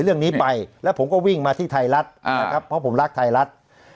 เรื่องนี้ไปแล้วผมก็วิ่งมาที่ไทยรัฐนะครับเพราะผมรักไทยรัฐ